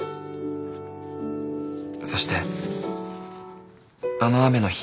「そしてあの雨の日」。